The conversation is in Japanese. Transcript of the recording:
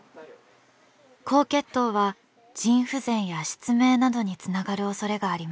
高血糖は腎不全や失明などにつながる恐れがあります。